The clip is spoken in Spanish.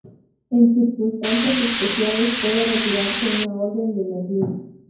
En circunstancias especiales, puede retirarse una orden de Merlín.